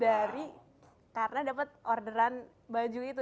dari karena dapat orderan baju itu